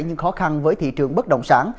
những khó khăn với thị trường bất động sản